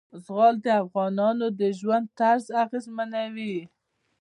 زغال د افغانانو د ژوند طرز اغېزمنوي.